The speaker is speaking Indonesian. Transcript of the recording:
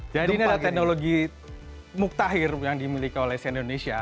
jadi ini ada teknologi muktahir yang dimiliki oleh cnn indonesia